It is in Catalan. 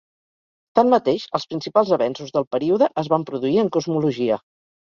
Tanmateix, els principals avenços del període es van produir en cosmologia.